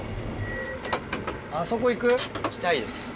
あそこ行く？行きたいです。